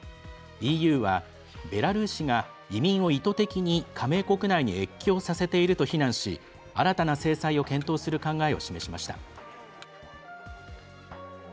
ＥＵはベラルーシが移民を意図的に加盟国内に越境させていると非難し新たな制裁を検討する考えを示しました。